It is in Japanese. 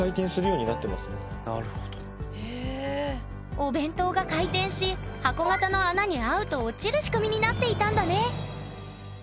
お弁当が回転し箱型の穴に合うと落ちる仕組みになっていたんだね！